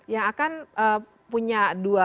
yang akan punya dua